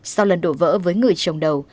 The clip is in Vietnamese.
sau lần đổ vỡ với người chồng đầu